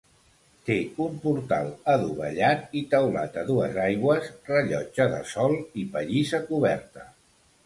Té un portal adovellat i teulat a dues aigües, rellotge de sol i pallissa coberta.